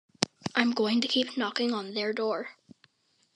I'm going to keep knocking on their door.